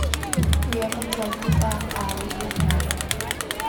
Rian a ṭuan tikah aa liklak ngai.